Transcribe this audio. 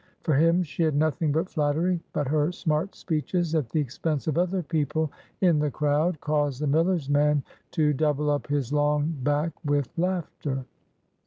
For him she had nothing but flattery; but her smart speeches at the expense of other people in the crowd caused the miller's man to double up his long back with laughter.